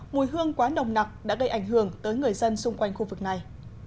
mùi hương quá nồng nặc đã gây ảnh hưởng tới người dân xung quanh khu vực này